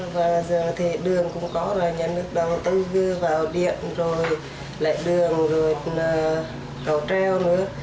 và giờ thì đường cũng có rồi nhà nước đầu tư vư vào điện rồi lại đường rồi cầu treo nữa